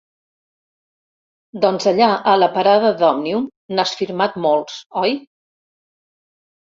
Doncs allà a la parada d'Òmnium n'has firmat molts, oi?